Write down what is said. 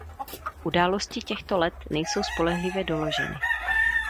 Události těchto let nejsou spolehlivě doloženy.